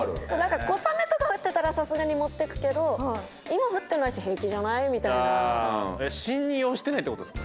小雨とか降ってたらさすがに持ってくけど「今降ってないし平気じゃない？」みたいな。信用してないってこと？